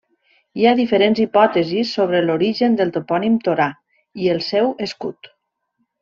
Hi ha diferents hipòtesis sobre l'origen del topònim Torà i el seu escut.